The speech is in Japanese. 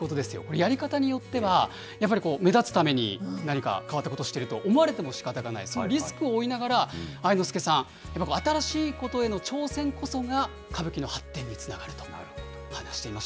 やり方によっては、やっぱり目立つために、何か変わったことしていると思われてもしかたがない、そのリスクを負いながら、愛之助さん、やっぱり新しいことへの挑戦こそが、歌舞伎の発展につながると話していました。